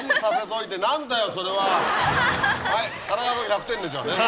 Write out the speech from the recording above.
はい田中君１００点でしょうね。